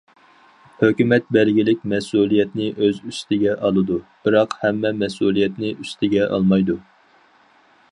ھۆكۈمەت بەلگىلىك مەسئۇلىيەتنى ئۆز ئۈستىگە ئالىدۇ، بىراق ھەممە مەسئۇلىيەتنى ئۈستىگە ئالمايدۇ.